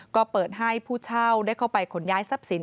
ก็เปิดให้ผู้เช่าได้เข้าไปขนย้ายทรัพย์สิน